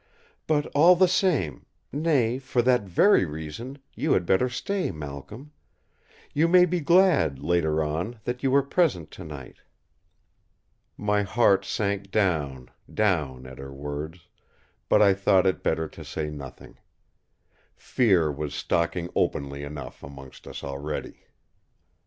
But all the same—nay, for that very reason you had better stay, Malcolm! You may be glad, later on, that you were present tonight!" My heart sank down, down, at her words; but I thought it better to say nothing. Fear was stalking openly enough amongst us already!